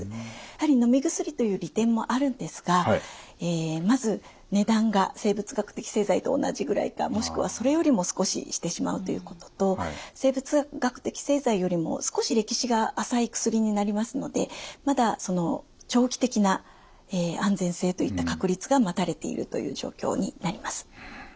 やはりのみ薬という利点もあるんですがまず値段が生物学的製剤と同じぐらいかもしくはそれよりも少ししてしまうということと生物学的製剤よりも少し歴史が浅い薬になりますのでまだその長期的な安全性といった確立が待たれているという状況になります。